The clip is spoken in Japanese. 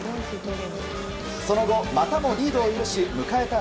その後、またもリードを許し迎えた